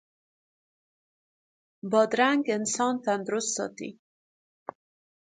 بادرنګ انسان تندرست ساتي.